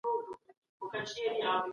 بهرنیو هیوادونو کي افغان کډوالو ژوند کاوه.